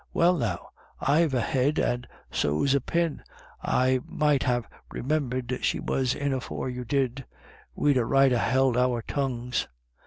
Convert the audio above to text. Well now, I've a head, and so's a pin — I might ha' re numbered she came in afore you did. We'd a right to ha' held our tongues."